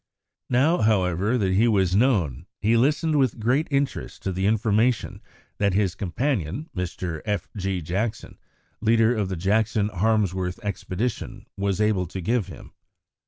Now, however, that he was known, he listened with great interest to the information that his companion, Mr. F. G. Jackson, leader of the Jackson Harmsworth expedition, was able to give him.